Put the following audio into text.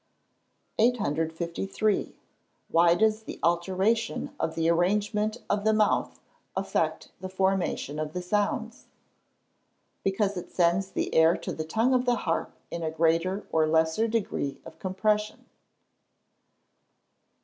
853. Why does the alteration of the arrangement of the mouth, affect the formation of the sounds? Because it sends the air to the tongue of the harp in a greater or lesser degree of compression.